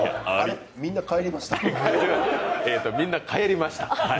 みんな帰りましたね。